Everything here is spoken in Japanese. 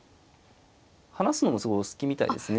話すのもすごいお好きみたいですね。